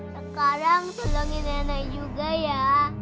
sekarang senengin nenek juga ya